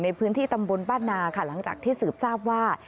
ในพื้นที่ตำบลบ้านนาค่ะหลังจากที่สืบทราบว่า